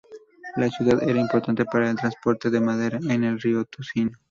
La ciudad era importante para el transporte de madera en el río Ticino.